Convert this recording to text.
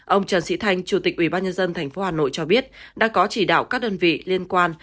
ông trần sĩ thanh chủ tịch ubnd tp hà nội cho biết đã có chỉ đạo các đơn vị liên quan